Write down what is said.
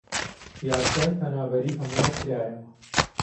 یاسای پەنابەری هەموار کرایەوە